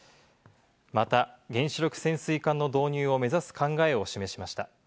また、原子力潜水艦の導入を目指す考えを示しました。